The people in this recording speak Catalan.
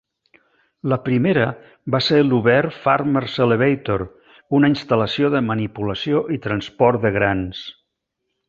La primera va ser Luverne Farmers Elevator, una instal·lació de manipulació i transport de grans.